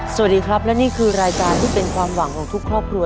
สวัสดีครับและนี่คือรายการที่เป็นความหวังของทุกครอบครัว